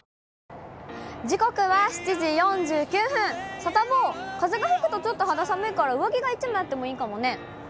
サタボー、風が吹くとちょっと肌寒いから、上着が１枚あってもいいかもね。